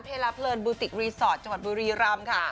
เวลาเพลินบูติกรีสอร์ทจังหวัดบุรีรำค่ะ